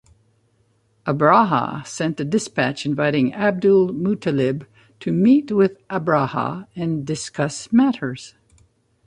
Abraha sent a dispatch inviting Abdul-Muttalib to meet with Abraha and discuss matters.